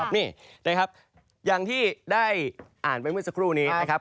นี่นะครับอย่างที่ได้อ่านไปเมื่อสักครู่นี้นะครับ